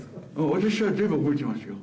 私は全部覚えてますよ。